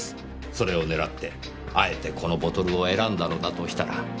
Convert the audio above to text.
それを狙ってあえてこのボトルを選んだのだとしたら。